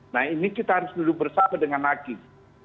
nah ini kita harus duduk bersama dengan hakim